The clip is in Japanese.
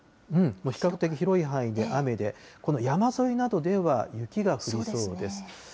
比較的広い範囲で雨で、この山沿いなどでは雪が降りそうです。